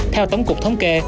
theo tổng cục thống kê